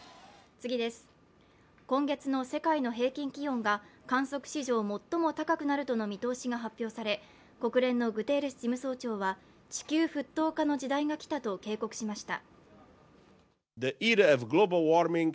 今月の世界の平均気温が観測史上最も高くなるとの見通しが発表され国連のグテーレス事務総長は地球沸騰化の時代が来たと警告しました。